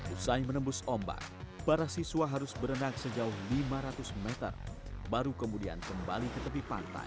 usai menembus ombak para siswa harus berenang sejauh lima ratus meter baru kemudian kembali ke tepi pantai